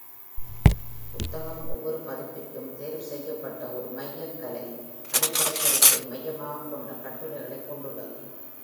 புத்தகம் ஒவ்வொரு பதிப்பிற்கும் தேர்வுசெய்யப்பட்ட ஒரு மைய கலை அடிப்படைக் கருத்தை மையமாகக் கொண்ட கட்டுரைகளைப் கொண்டுள்ளது.